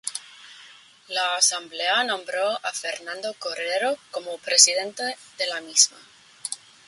La Asamblea nombró a Fernando Cordero como presidente de la misma.